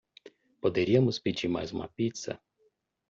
Poderíamos pedir mais uma pizza